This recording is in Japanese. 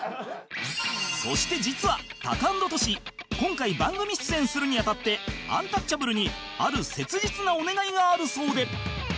そして実はタカアンドトシ今回番組出演するにあたってアンタッチャブルにある切実なお願いがあるそうで